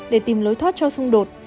để tìm lối thoát cho xung đột